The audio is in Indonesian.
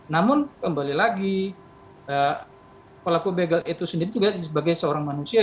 namun kembali lagi pelaku begal itu sendiri juga sebagai seorang manusia